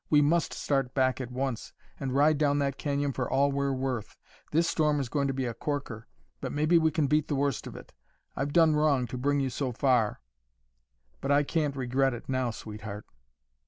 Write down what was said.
"We must start back at once and ride down that canyon for all we're worth! This storm is going to be a corker, but maybe we can beat the worst of it. I've done wrong to bring you so far but I can't regret it now, sweetheart!"